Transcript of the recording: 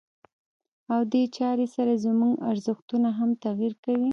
او دې چارې سره زموږ ارزښتونه هم تغيير کوي.